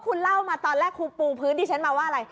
คุณเล่ามาตอนแรกครูปูพื้นที่ฉันมาว่าอะไร